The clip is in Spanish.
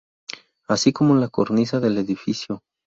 Así como en la cornisa del edificio.